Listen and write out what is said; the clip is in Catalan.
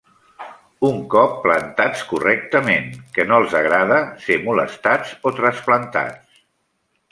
Un cop plantats correctament, que no els agrada ser molestats o trasplantats.